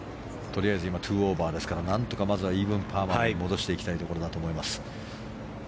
とりあえず今、２オーバーですから何とかまずはイーブンパーまで戻していきたいところだと思います。